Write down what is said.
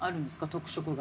特色が。